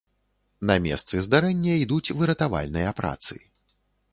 На месцы здарэння ідуць выратавальныя працы.